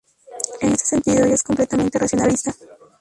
En este sentido, ella es completamente racionalista.